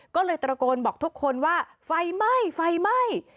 ก็เลยตระโกนบอกทุกคนว่าไฟไหม้ไฟไหม้